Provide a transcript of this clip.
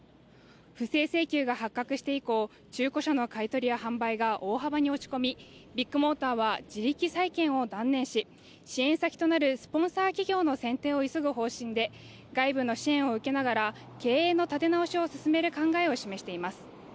不正請求が発覚して以降中古車の買い取りや販売が大幅に落ち込みビッグモーターは自力再建を断念し支援先となるスポンサー企業の選定を急ぐ方針で外部の支援を受けながら経営の立て直しを進める考えを示しています。